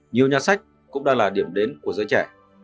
nhiều nhà sách cũng đang là điểm đến của giới trẻ